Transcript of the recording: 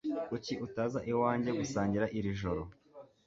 Kuki utaza iwanjye gusangira iri joro?